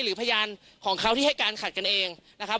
พยานของเขาที่ให้การขัดกันเองนะครับ